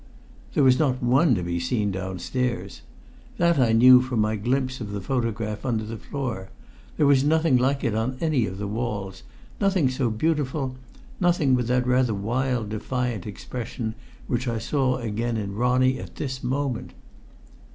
There was not one to be seen downstairs. That I knew from my glimpse of the photograph under the floor; there was nothing like it on any of the walls, nothing so beautiful, nothing with that rather wild, defiant expression which I saw again in Ronnie at this moment.